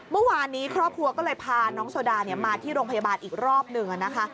เมื่อวานนี้ครอบครัวก็เลยพาน้องโซดามาที่โรงพยาบาลอีกรอบหนึ่งนะคะ